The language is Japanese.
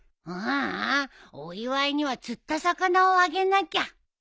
ううんお祝いには釣った魚をあげなきゃ。